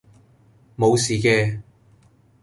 無事嘅